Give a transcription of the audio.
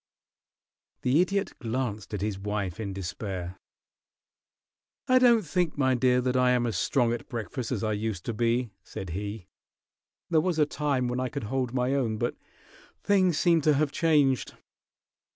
The Idiot glanced at his wife in despair. "I don't think, my dear, that I am as strong at breakfast as I used to be," said he. "There was a time when I could hold my own, but things seem to have changed.